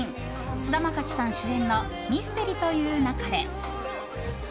菅田将暉さん主演の「ミステリと言う勿れ」。